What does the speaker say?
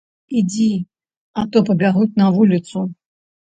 Ідзі, а то пабягуць на вуліцу.